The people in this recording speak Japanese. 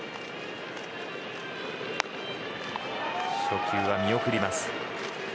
初球は見送ります。